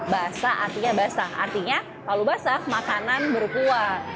basah artinya basah artinya lalu basah makanan berkuah